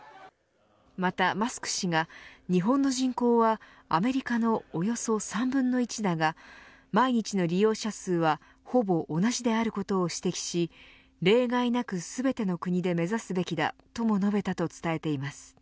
また、マスク氏が日本の人口はアメリカのおよそ３分の１だが毎日の利用者数はほぼ同じであることを指摘し例外なく全ての国で目指すべきだとも述べたと伝えています。